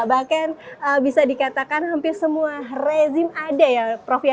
bahkan bisa dikatakan hampir semua rezim ada ya prof ya